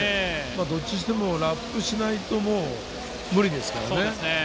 どっちにしてもラップしないともう無理ですからね。